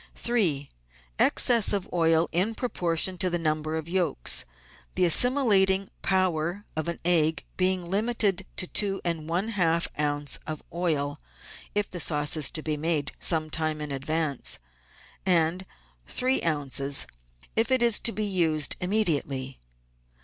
3. Excess of oil in proportion to the number of yolks, the assimilating power of an egg being limited to two and one half oz. of oil (if the sauce be made some time in advance), and three oz. if it is to be used immediately.